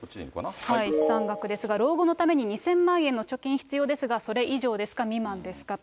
資産額ですが、老後のために２０００万円の貯金必要ですが、それ以上ですか、未満ですかと。